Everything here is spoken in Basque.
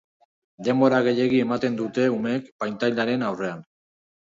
Denbora gehiegi ematen dute umeek pantailaren aurrean.